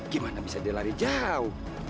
gimana bisa dia lari jauh